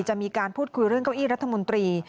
จะมีการพูดคุยเรื่องเก้าอี้รัฐมนตรี